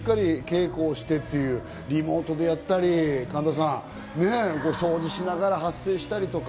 その合間をぬって、しっかり稽古をしてっていう、リモートでやったり、掃除しながら発声したりとか。